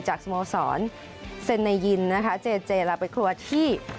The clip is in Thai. จากสมโธษรเซนในยินนะคะเจแล้วกลัวที่